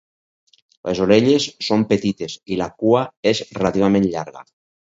Les orelles són petites i la cua és relativament llarga.